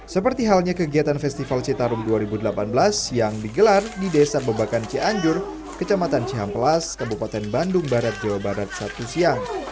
seperti halnya kegiatan festival citarum dua ribu delapan belas yang digelar di desa bebakan cianjur kecamatan cihamplas kabupaten bandung barat jawa barat sabtu siang